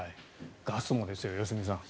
ガスもですよ、良純さん。